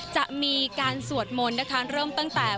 จะมีการสวดมนต์นะคะเริ่มตั้งแต่